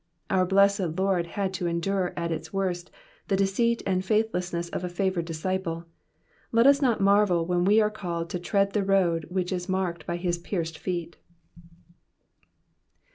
Our blessed Lord had to endure at its worst the deceit and faithlessness of a favoured disciple ; let lis not marvel when we are called to tread the road which is markea by his pierced feet.